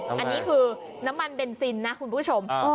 อันนี้คือน้ำมันเบนซินนะคุณผู้ชม